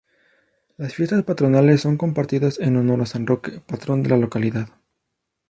Las fiestas patronales son compartidas en honor a San Roque, patrón de la localidad.